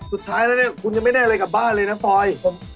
สุดท้ายแล้วเนี่ยคุณยังไม่ได้อะไรกลับบ้านเลยนะปลอย